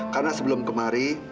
karena sebelum kemari